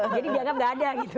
jadi dianggap gak ada gitu